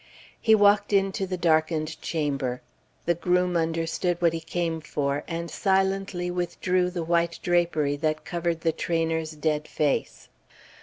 He walked into the darkened chamber. The groom understood what he came for, and silently withdrew the white drapery that covered the trainer's dead face.